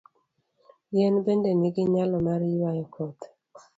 Yien bende nigi nyalo mar ywayo koth.